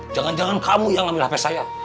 jangan jangan kamu yang ngambil hp saya